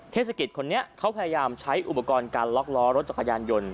เทศกิจคนนี้เขาพยายามใช้อุปกรณ์การล็อกล้อรถจักรยานยนต์